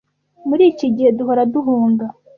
Muri iki gihe duhora duhunga